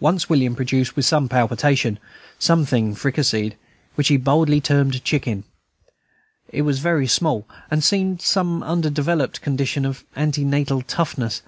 Once William produced with some palpitation something fricasseed, which he boldly termed chicken; it was very small, and seemed in some undeveloped condition of ante natal toughness.